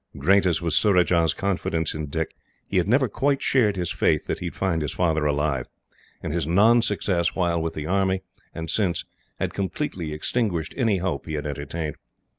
Great as was Surajah's confidence in Dick, he had never quite shared his faith that he would find his father alive, and his non success while with the army, and since, had completely extinguished any hopes he had entertained.